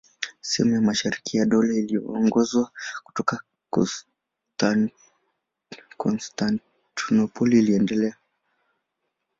Sehemu ya mashariki ya Dola iliyoongozwa kutoka Konstantinopoli iliendelea.